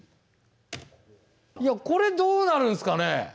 いやこれどうなるんすかね。